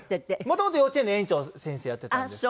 もともと幼稚園の園長先生やってたんです。